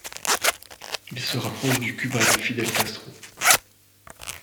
Il se rapproche du Cuba de Fidel Castro.